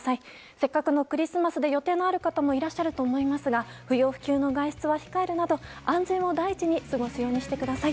せっかくのクリスマスで予定のある方もいらっしゃると思いますが不要不急の外出は控えるなど安全を第一に過ごすようにしてください。